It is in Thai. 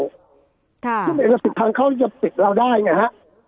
เพราะเนี่ยเราติดทางเข้าที่จะติดเราได้ไงฮะ